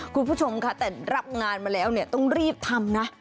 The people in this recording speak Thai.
คุณผู้ชมค่ะแต่รับงานมาแล้วเนี่ยต้องรีบทำนะ